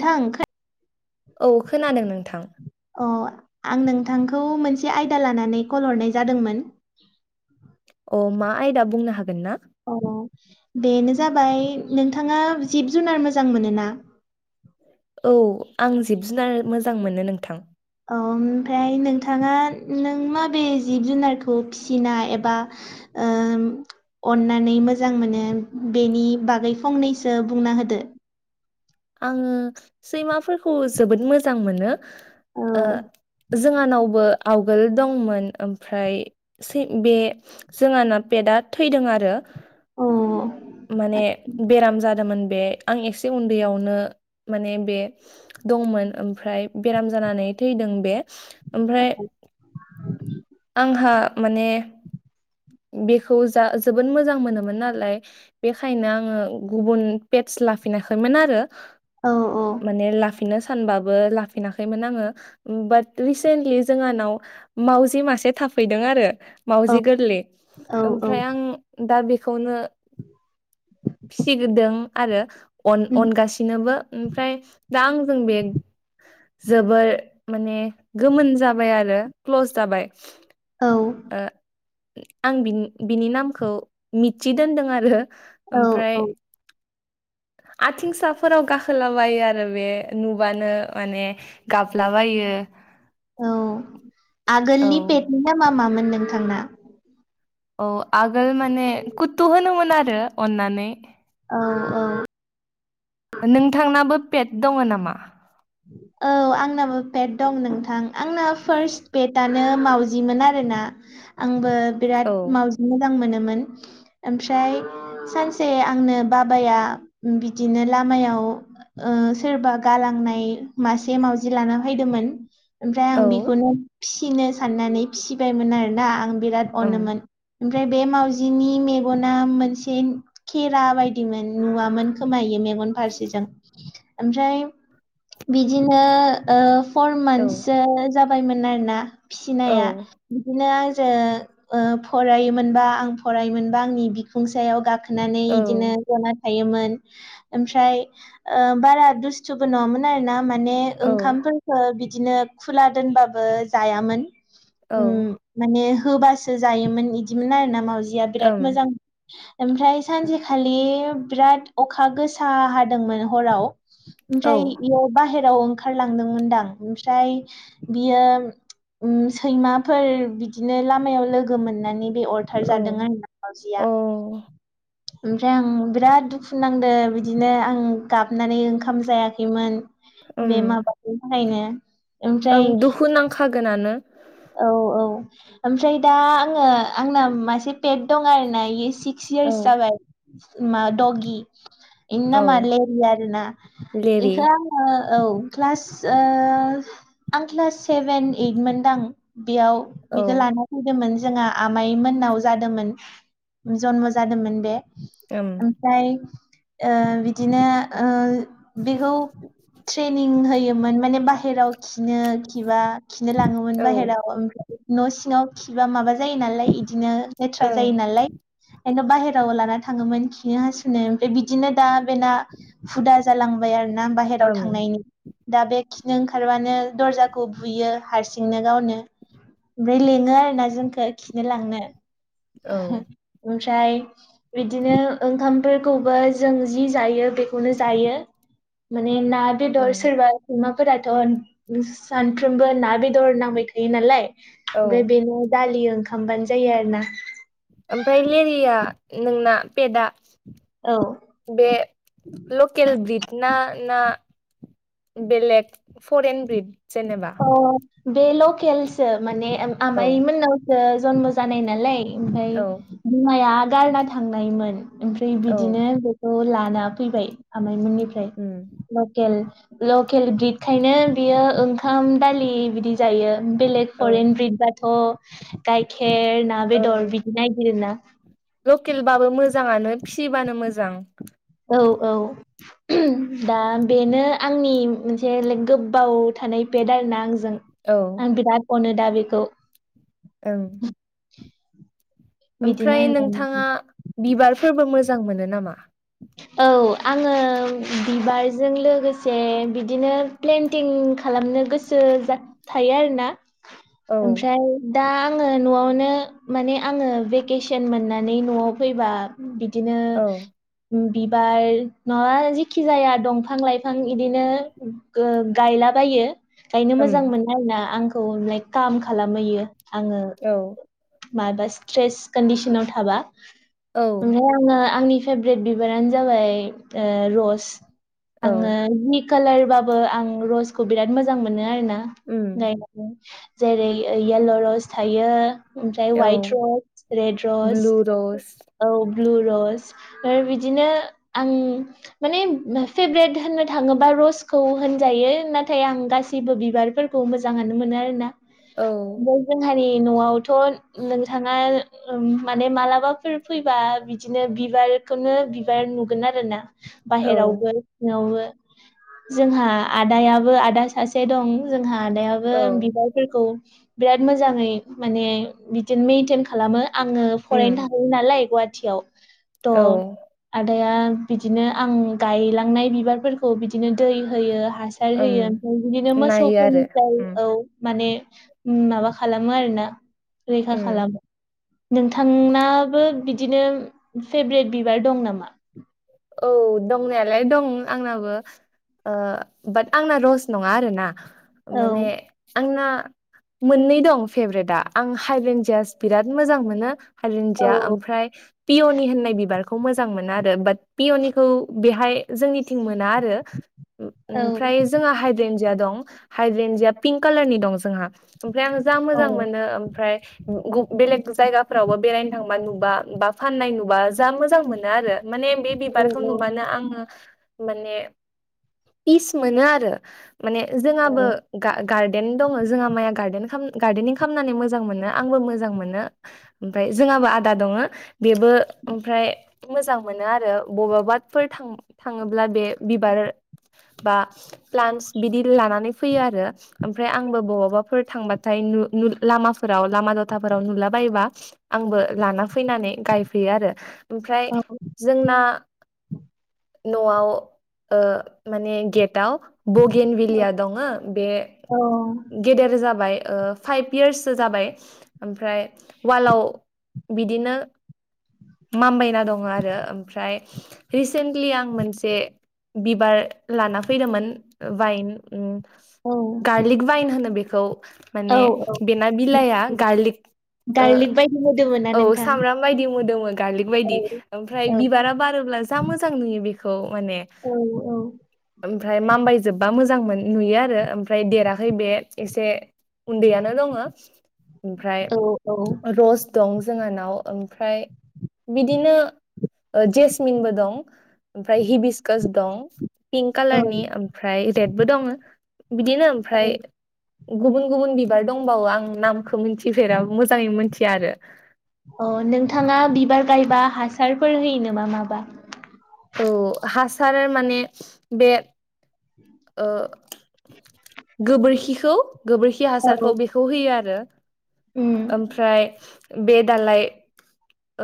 थां खो औ खोनादों नोंथां अ आं नोंथांखौ मोनसे आयदा लानानै कल हरनाय जादोंमोन अ मा आयदा बुंनो हागोन ना? अ बेनो जाबाय नोंथाङा जिब जुनार मोजां मोनो ना? औ आं जिब जुनार मोजां मोनो नोंथां अ ओमफ्राय नोंथाङा नों माबे जिब जुनारखौ फिसिना एबा ओ अननानै मोजां मोनो बेनि बागै फंनैसो बुंना होदो आङो सैमाफोरखौ जोबोद मोजां मोनो औ ओ जोंहानावबो आवगोल दंमोन ओमफ्राय बे जोंहाना पेटआ थैदों आरो औ माने बेराम जादोंमोन बे आं एसे उन दैयावनो माने बे दंमोन ओमफ्राय बेराम जानानै थैदों बे ओमफ्राय [inaudible] आंहा माने बेखौ जा जोबोद मोजां मोनोमोन नालाय बेखायनो आङो गुबुन पेटस लाफिनाखैमोन आरो औ माने नो सानबो लाफिनाखैमोन आङो बाट रिसेनलि जोंहानाव मावजि मा से थाफैदों आरो औ मावउजि गोरलै औ ओमफ्राय आं दा बेखौनो [inaudible] फिसिग्रोदों आरो अनगासिनोबो ओमफ्राय दा आंजों बे जोबोर माने गोमोन जाबाय आरो क्लस जाबाय औ ओ आं बिनि नामखौ मिथि दोनदों आरो औ ओमफ्राय औ आथिंसाफोराव गाखोलाबायो आरो बे नुबानो माने गाबलाबायो [inaudible] औ औ आगोलनि पेटनि नामा मामोन नोंथांना औ आगोल माने कुथु होनोमोन आरो अननानै औ औ नोंथांनाबो पेट दङ नामा? औ आंनाबो पेट दं नोंथां आंना फार्स्ट पेटनो मावजिमोन आरो ना आंबो औ बिराद मावजि मोजां मोनो मोन ओमफ्राय सानसे आंनो बाबाया बिदिनो लामायाव ओ सोरबा गालांनाय मासे मावउजि लाना फैदोंमोन ओमफ्राय औ आं बेखौनो फिसिनो साननानै फिसिबायमोन आरोना आं बिराद ओम अनोमोन ओमफ्राय बे मावाजिनि मेगना मोनसे खेरा बायदि मोन नुवामोन खोमायो मेगन फारसेजों ओमफ्राय बिदिनो फर औ मान्थससो जाबायमोन आरोना औ फिसिनाया बिदिनो ओ फरायोमोनबा आं फरायोमोनबा आंनि बिखुंसायाव गाखो नानै औ बिदिनो जना थायोमोन ओमफ्राय बारा दुस्थुबो नङामोन। आरो ना माने औ ओंखामफोरखो बिदिनो खुला दोनबाबो जायामोन। औ उम माने होबासो जायोमोन बिदिमोन आरो ना मावाउजिया ओम बिराद मोजां ओमफ्राय सानसेखालि बिराद अखा गोसा हादोंमोन हराव औ ओमफ्राय बेयाव बाहेराव ओंखारलांदोंमोनदां ओमफ्राय बियो सैमाफोर बिदिनो लामायाव लोगो मोननानै बे अरथार औ जादों आंनि मावजिया औ ओमफ्राय आं बिराद दुखु नांदों बिदिनो आं गाबनानै ओंखाम जायाखै मोन बे माबानि थाखायनो ओ ओमफ्राय दुखुुनांखागोनानो। औ औ ओमफ्राय दा आङो आंना मासे पेट दं आरोना सिक्स औ यार्स जाबाय मा दडगि इनि औ नामा मालेरया आरो ना लेरि औ क्लास ओ क्लास सेभेन ओइट मोनदां बेयाव औ बिखौ लाना फैदोंमोन। जोंहा आमाइ मोननाव जादोंमोन जन्म जादोंमोन बे ओम ओमफ्राय ओ बिदिनो बेखौ ट्रेनिं होयोमोन माने बाहेराव खिनो खिबा खिनो लाङोमोन औ बाहेराव ओमफ्राय न' सिङाव खिबा माबा जायो नालाय बिदिनो लेथ्रा जायो ओं नालाय बेंनो बाहेराव लाना थाङोमोन खिनो हासुनो ओमफ्राय बिदिनो दा बेना दा हुदा जालांबाय आरो ना बाहेराव ओम थांनायनि दा बे खिनो ओंखारबानो दर्जाखौ बुयो हारसिं नो गावनो ओमफ्राय लिङो आरो ना जोंखौ खिनो लांनो औ ओमफ्राय बिदिनो ओंखामफोरखौबो जों जि जायो बेखौनो जायो। [inaudible] ना बेदर ओम सोरबा सैमाफोराथ' सानफ्रामबो बो ना बे दर नांबायखायो नालाय औ ओमफ्राय बेनो दालि ओंखामबानो जायो आरो ना ओमफ्राय लेरिया नोंना पेटआ औ बे लकेल ब्रिद ना ना बेलेग फरेन ब्रिट जेनेबा अ बे लकेलसो माने औ आमाइ मोननावसो जनम जानाय नालाय ओमफाय औ बिमाया गारना थांनायमोन ओमफ्राय औ बिदिनो बेखौ ल ना फैबाय आमायमोननिफ्राय उम लखेल लखेल ब्रिटखायनो बियो ओंखाम दालि बिदि जायो बेलग औ फरेन ब्रिट बाथ' गख खेर ना बेदर बिदि नागिरो ना लखेलबाबो मोजांआनो फिबानो मोजां औ औ ओ दा बेनो आंनि मोनसे गोबाव थानाय पेट आरोना आं जों औ आं बिराद अनो दा बेखौ ओ बिदिनो ओमफ्राय होननानै नोंथांआ बिबारफोरबो मोजां मोनो नामा? औ आङो बिबारजों लोगोसे बिदिनो प्लेेनटिंक खालामनो गोसो थायो आरो ना औ ओमफ्राय दा आङो न'आवनो माने आङो भेकेसन मोननानै न'आव फैबा बि बिदिनो औ बिबार नंआबा जिखि जाया दंफां लाइफां बिदिनो गायला बायो गायनो उम मोजां मोनो आरोना आंखौ लाइक खालामहैयो आङो औ माबा स्ट्रेस कन्दिसनाव थाबा औ ओमफ्राय आङो आंनि फेभरेट बिबारानो जाबाय रस औ आङो कालार बाबो आङो रसखौ बिराद मोजां मोनो आरो ना उम गायनानै जेरै येल्ल' रस थायो ओमफ्राय औ ह'आइट रस रेड रस ब्लु रस औ ब्लुरस आरो बिदिनो आं माने फेभ्रेत होननो थाङोबा रसखौ होनजायो नाथाय आं गासैबो बिबारफोरखौ मोजाङानो मोनो आर ना औ [unintelligible] हारि न'आवथ' नोंथांआ माने मालाबाफोर फैबा बिदिनो बिबारखौनो बिबार नुगोन आरोना औ बाहेरावबो सिंआवबो जोंहा आदायाबो आदा सासे दं जोंहा आदायाबो औ बिबारफोरखौ बिराद मोजाङै माने बिदिनो मेइनटेन खालामो आङो फरायनो उम थायो नालाय गुवाहाटिआव औ आदाया बिदिनो आं गायलांनाय बिबारफोरखौ बिदिनो दै होयो हासार ओम होयो ओमफाय बिदिनो नायो आरो मोसौफोरनिफाइ ओम औ माने माबा खालामो आरोना रैखा ओम खालामो नोंथांनाबो बिदिनो फेब्रेट बिबार दं नामा? औ दंनायालाय दं आंनाबो ओ बाट आंना रस नङा आरोना औ माने आंना मोननै दं फेब्रेटआ आं हाइभेनजास बिराद मोजां मोनो औ हरन्दिया ओमफ्राय पिय'नि होननाय बिबारखौ मोजां मोनो आरो बाट [unintelligible] पियनिखौ बेहाय जोंनिथिं मोना आरो औ ओमफ्राय जों हाइद्रेन दं हाइद्रन्दिया पिंक कालारनि दं जोंहा ओमफ्राय आं जा औ मोजां मोनो ओमफ्राय गुबुन बेलेग जायगाफोरावबो बेरायनो थांबा नुबा बा फाननाय नुबा जा मोजां मोनो आरो माने बे औ बिबारखौ नुबानो आङो माने फिच मोनो आरो माने औ जोंहाबो गा गा गार्देन दंङो जोंहा माइया गार्देन खालाम गार्देनिं खामनानै मोजां मोनो आंबो मोजां मोनो ओमफ्राय जोंहाबो आदा दङो बेबो ओमफ्राय मोजां मोनो आरो बबावबाफोर थां थाङोब्ला बे बिबार बा प्लान्स बिदि लानानै फैयो आरो ओमफ्राय आंबो बबावबाफोर थांबाथाय नु नु लामाफोराव लामा दथा फोराव नुला बायोबा आंबो लाना फैनानै गायफैयो आरो ओमफ्राय औ जोंना न'आव ओ माने गेट दाव बगेन भेलिया दङो बे औ गेदेर जाबाय। ओ फाइभ इयार्ससो जाबाय ओमफ्राय उवालाव बिदिनो मामबायना दङो आरो ओमफ्राय रिसेन्टलि आं मोनसे बिबार लाना फैदोंमोन वाइन। उम औ गारलिक बाइन होनो बेखौ। औ माने बेना बिलाइया गारलिक गार्लिक बायदि मोदोमो ना ओ औ नोंथां सामब्राम बायदि मोदोमो गार्लिक औ बायदि ओमफ्राय औ बिबारा बार जा मोजां नुयो बेखौ माने औ ओमफ्राय मामबाय जोबबा मोजां मोन नुयो आरो ओमफ्राय देराखै बे एसे उन्दैयानो दङो ओमफ्राय औ रस दं। जोंहानाव ओमफ्राय बिदिनो ओ जेस मिनबो दं ओमफ्राय हिबिसकास दं। पिंक औ कालारनि ओमफ्राय रेडबो दङो बिदिनो औ ओमफ्राय गुबुन गुबुन बिबार दंबावो आं नामखौ मिनथिफेरा मोजाङै मोनथिया आरो अ नोंथाङा बिबार गायबा हासारफोर होयो नोमा माबा औ हासार माने बे ओ गोबोरखिखौ गोबोरखि औ हासारखौ बेखौ होयो आरो उम ओमफ्राय बे दालाय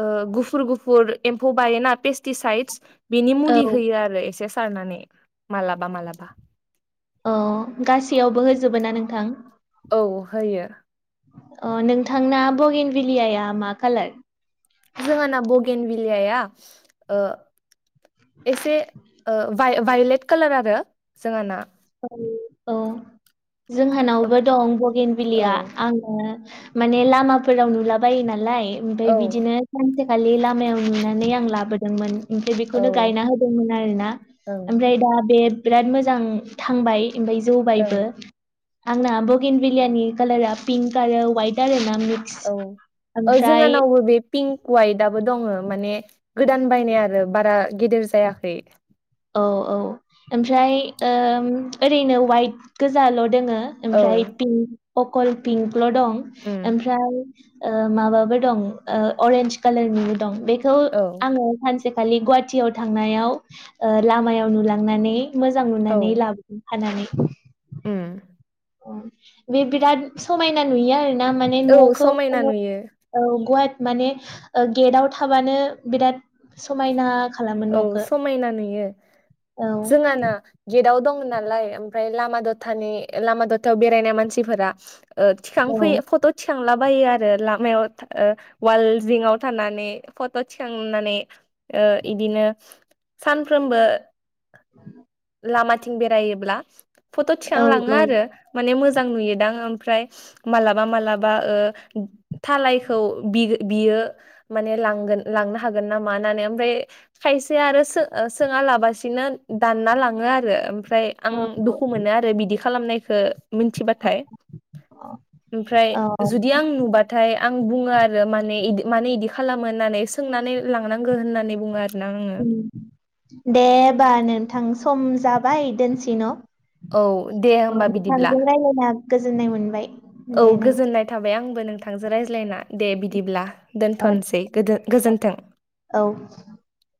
ओ गुफुर गुफुर एम्फौ बायोना पेस्टिसाइदस बिनि औ मुलि होयो आरो एसे सारनानै मालाबा मालाबा। अ गासैयावबो होजोबो ना नोंथां? औ होयो। अ नोंथांना बगेन भिलियाया मा कालार? जोंहाना बगेन भेलियाया ओ एसे ओ वाय वायलेट कालार आरो जोंहाना। औ औ जोंहानावबो दं औ बगेनबिलिया आङो माने लामाफोराव नुलाबायो नालाय ओमफ्राय औ बिदिनो सानसेखालि ला मायाव नुनानै आं लाबोदोंमोन ओमफ्राय बेखौनो ओं गायना होदोंमोन आरो ना। ओं ओमफ्राय दा बे बिराद मोजां थांबाय ओमफ्राय ओं जौबायबो। आंना बगेन बिलियानि कालारा पिंक आरो वाइट आरो औ औ जोंहानावबो बे पिंक [unintelligible] दङो माने गोदान बायनाय आरो बारा गेदेर जायाखै। औ औ ओमफ्राय ओम ओरैनो वाइट गोजाल' दोङो औ ओमफ्राय पिंक अकल पिंक ल' दं उम ओमफ्राय ओ माबाबो दं ओ अरेन्ज कालारनिबो दं बेखौ औ आङो सान खालि गुवाहाटियाव थांनायाव ओ लामायाव नुलांनानै मोजां नुनानै लाबोदों खानानै ओम अ बे बिराद समायना नुयो आरो दा माने औ न'खौ समायना [unintelligible] नुयो औ गवाथ माने ओ गेदाव थाबानो बिराद समायना खालामो औ न'खौ समायना नुयो। औ जोंहा ना गेदाव दं नालाय ओमफ्राय लामा दथानि लामा दथायाव बेरायनाय मानसिफोरा ओ औ थिखांफैयो फट' थिखांला बाय आरो लामायाव ओ अवालजिंआव थानानै फट' थिखांनानै ओ इदिनो सानफ्रोमबो [unintelligible] लामाथिं बेरायोब्ला फट' औ थिखांलाङो आरो माने मोज जां नुयोदां ओमफ्राय मालाबा मालाबा ओ थालायखौ बि बियो ओ मानि लांगोन लांनो हागोन नामा नानै ओमफ्राय खायसे आरो सो सोङा लाबासिनो दानना लाङो आरो ओम फ्राय आं औ दुखु मोनो आरो बिदि खालामनायखो । मिथिबाथाय, औ ओमफ्राय औ जुदि आं नुबाथाय आं बुङो आरो माने इदि माने इदि खालामो होननानै सोंनानै लांनांगौ होननानै बुङो। आरोना आङो दे होमबा नोंथां सम जाबाय दोनसै न' । औ दे ओ होमबा बिदिब्ला नोंथांजों रायलायना गोजोननाय मोनबाय । औ गोजोननाय थाबाय आंबो नोंथांजों रायज्लायना दे बिदिब्ला दोनथ'नोसै गोदो गोजोन्थों औ ।